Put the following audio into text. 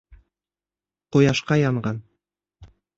Ҡояшҡа янған.